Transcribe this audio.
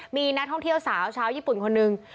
มีนักท่องเที่ยวสาวชาวญี่ปุ่นคนหนึ่ง